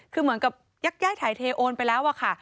คือเหมือนกับยักย้ายถ่ายเทโอนไปแล้วอะค่ะ